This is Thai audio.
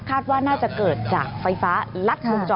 ว่าน่าจะเกิดจากไฟฟ้ารัดวงจร